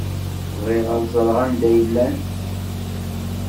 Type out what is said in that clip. Bɣiɣ ad ẓreɣ anda ay llan.